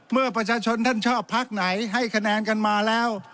เมื่อประชาชนท่านชอบพักไหนให้คะแนนกันมาแล้ว